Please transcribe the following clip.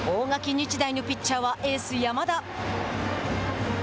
日大のピッチャーはエース山田。